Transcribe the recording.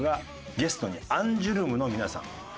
ゲストにアンジュルムの皆さん。